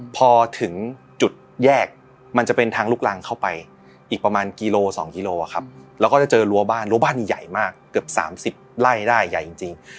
พอถึงจุดแยกมันจะเป็นทางลุกลางเข้าไปอีกประมาณกิโล๒กิโลครับแล้วก็จะเจอรั้วบ้านรั้วบ้านนี้ใหญ่มากเกือบ๓๐ไร่ได้ใหญ่จริง